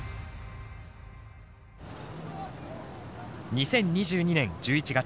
２０２２年１１月